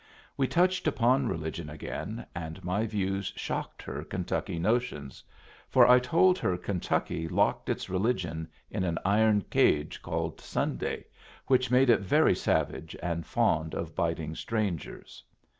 We touched upon religion again, and my views shocked her Kentucky notions, for I told her Kentucky locked its religion in an iron cage called Sunday, which made it very savage and fond of biting strangers.